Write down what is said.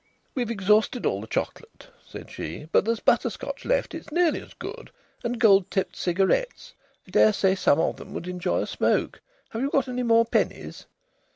"We've exhausted all the chocolate," said she. "But there's butterscotch left it's nearly as good and gold tipped cigarettes. I daresay some of them would enjoy a smoke. Have you got any more pennies?"